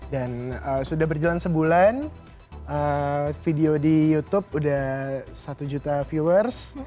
dan sudah berjalan sebulan video di youtube udah satu juta viewers